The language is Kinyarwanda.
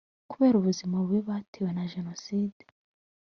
kubera ubuzima bubi batewe na jenoside